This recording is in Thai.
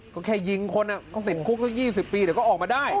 ก็แค่ยิงคนต้องติดคุกสัก๒๐ปีเดี๋ยวก็ออกมาได้